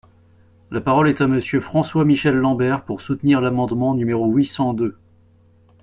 La parole est à Monsieur François-Michel Lambert, pour soutenir l’amendement numéro huit cent deux.